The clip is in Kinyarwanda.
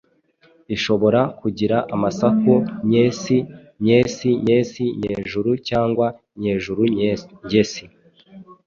ishobora kugira amasaku nyesi nyesi, nyesi ngejuru cyangwa nyejuru ngesi.